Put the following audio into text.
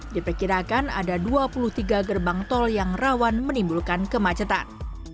diperkirakan ada dua puluh tiga gerbang tol yang rawan menimbulkan kemacetan